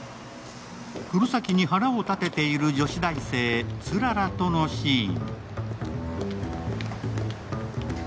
黒崎に腹を立てている女子大生・氷柱とのシーン。